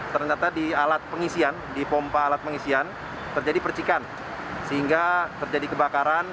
ternyata di alat pengisian di pompa alat pengisian terjadi percikan sehingga terjadi kebakaran di alat pengisian pompa